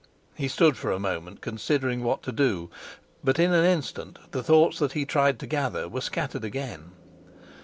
He stood for a moment, considering what to do, but in an instant the thoughts that he tried to gather were scattered again.